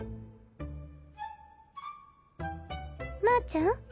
まちゃん？